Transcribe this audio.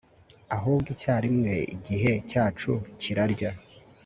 ahubwo icyarimwe igihe cyacu kirarya